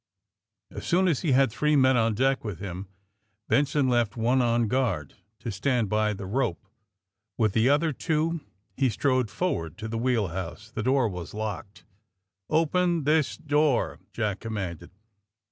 As soon as he had three men on deck with him Benson left one on guard to stand by the rope. With the other two he strode forward to the wheel house. The door was locked. ^^Open this door!'^ Jack commanded.